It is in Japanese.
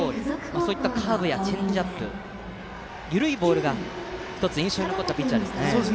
そういったカーブやチェンジアップなど緩いボールが１つ印象に残ったピッチャーですね。